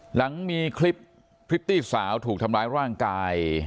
หลังมีคลิปพริตตี้สาวถูกทำร้ายร่างกาย